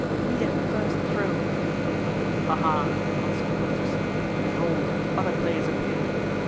we have the first throw." "Ha! ha!" answered Porthos, "behold, other players appear."